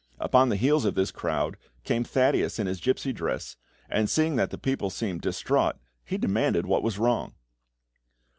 Upon the heels of this crowd came Thaddeus in his gipsy dress, and seeing that the people seemed distraught, he demanded what was wrong.